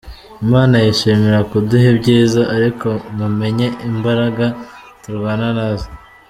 Imana yishimira kuduha ibyiza ariko mumenye imbaraga turwana nazo.